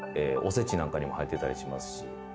お節なんかにも入ってたりしますし。